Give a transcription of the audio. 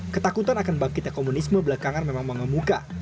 ketakutan akan bangkitnya komunisme belakangan memang mengemuka